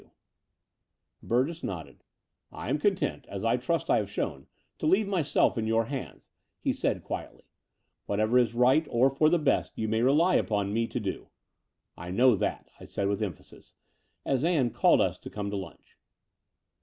Between London and Clymping 177 Burgess nodded. ''I am content, as I trust I have shown, to leave myself in your hands/' he said quietly. "What ever is right or for the best you may rely upon me to do." "I know that/' I said with emphasis, as Ann called us to come to lunch.